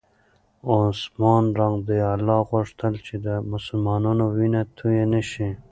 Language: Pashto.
عثمان رض غوښتل چې د مسلمانانو وینه توی نه شي.